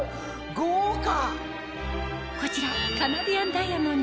豪華！